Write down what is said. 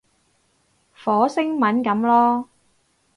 火星文噉囉